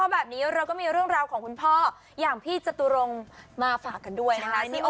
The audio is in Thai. และเราก็มีเรื่องของคุณพ่ออย่างฟิเจตุรงมาฝากกันด้วยนะ